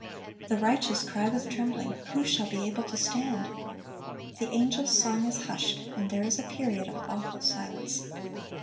(1106) The righteous cry with trembling, "Who shall be able to stand?" The angels' song is hushed, and there is a period of awful silence.